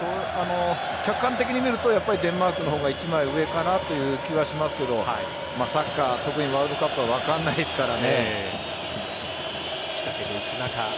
客観的に見るとデンマークの方が一枚上かなという気がしますけどサッカー特にワールドカップは分からないですから。